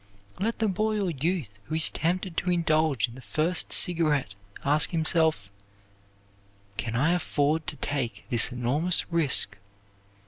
Let the boy or youth who is tempted to indulge in the first cigarette ask himself Can I afford to take this enormous risk?